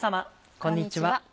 こんにちは。